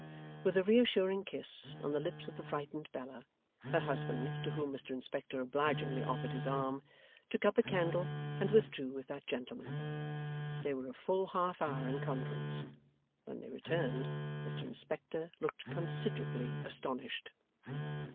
With a reassuring kiss on the lips of the frightened Bella, her husband (to whom Mr Inspector obligingly offered his arm), took up a candle, and withdrew with that gentleman. They were a full half hour in conference. When they returned, Mr Inspector looked considerably astonished.